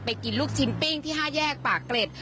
กินลูกชิ้นปิ้งที่๕แยกปากเกร็ด